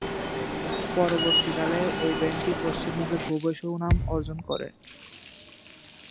পরবর্তীকালে এই ব্যান্ডটি পশ্চিমবঙ্গে খুবই সুনাম অর্জন করে।